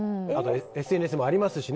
ＳＮＳもありますしね